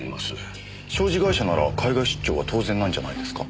商事会社なら海外出張は当然なんじゃないですか？